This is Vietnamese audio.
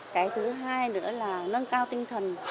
cái thứ hai nữa là nâng cao tinh thần